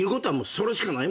それしかない。